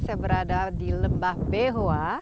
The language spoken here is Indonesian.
saya berada di lembah behoa